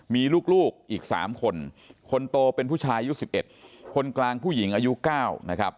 มีลูกอีก๓คนคนโตเป็นผู้ชายอายุ๑๑คนกลางผู้หญิงอายุ๙นะครับ